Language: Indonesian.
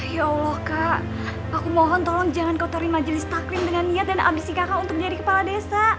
ya allah kak aku mohon tolong jangan kotorin majelis taklim dengan niat dan ambisi kakak untuk jadi kepala desa